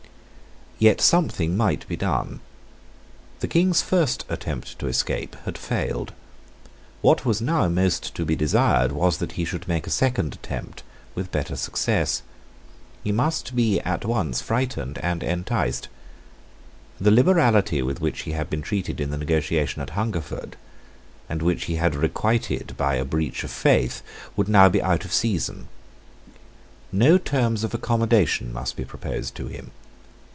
Yet something might be done. The King's first attempt to escape had failed. What was now most to be desired was that he should make a second attempt with better success. He must be at once frightened and enticed. The liberality with which he had been treated in the negotiation at Hungerford, and which he had requited by a breach of faith, would now be out of season. No terms of accommodation must be proposed to him.